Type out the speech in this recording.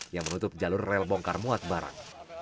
yang menutup jalur rel bongkar muat barang